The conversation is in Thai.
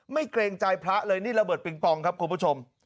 เกรงใจพระเลยนี่ระเบิดปิงปองครับคุณผู้ชม